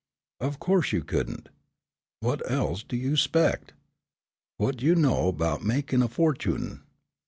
"Of course you couldn't. Whut else do you 'spect? Whut you know 'bout mekin' a fortune?